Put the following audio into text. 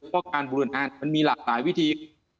หรือว่าการบริวรรณอ่านมันมีหลายวิธี